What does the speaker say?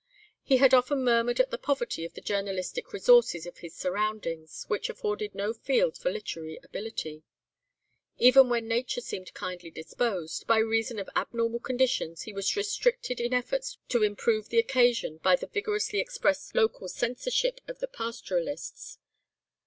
He had often murmured at the poverty of the journalistic resources of his surroundings, which afforded no field for literary ability. Even when Nature seemed kindly disposed, by reason of abnormal conditions, he was restricted in efforts to improve the occasion by the vigorously expressed local censorship of the pastoralists.